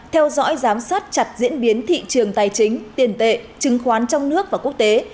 theo dõi giám sát chặt diễn biến thị trường tài chính tiền tệ chứng khoán trong nước và quốc tế